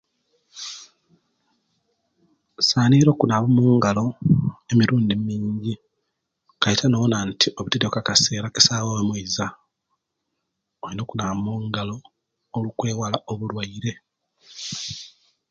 Osanire okunaba mungalo emirundi mingi kasita nowona nti obitiriyewo akasera esawa moiza oina okunaba mungalo okwewala obulwaire